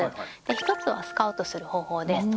１つはスカウトする方法です